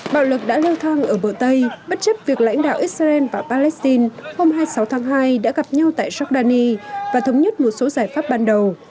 bạo lực đã leo thang ở bờ tây bất chấp việc lãnh đạo israel và palestine hôm hai mươi sáu tháng hai đã gặp nhau tại giordani và thống nhất một số giải pháp ban đầu